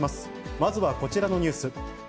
まずはこちらのニュース。